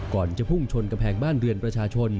ก่อนจะพุ่งชนกำแพงบ้านเรือนประชาชน